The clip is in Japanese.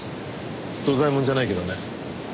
土左衛門じゃないけどね。